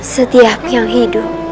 setiap yang hidup